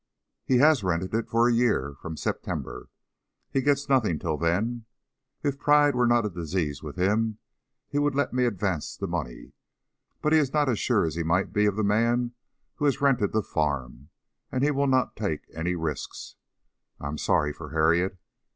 "He has rented it for a year from September. He gets nothing till then. If pride were not a disease with him, he would let me advance the money, but he is not as sure as he might be of the man who has rented the farm and he will not take any risks, I am sorry for Harriet.